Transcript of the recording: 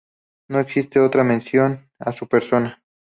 No existe otra mención a su persona.